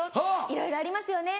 「いろいろありますよね！